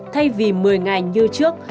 thay vì một mươi ngày như trước